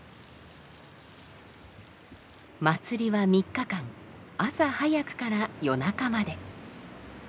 祭りは３日間朝早くから夜中まで。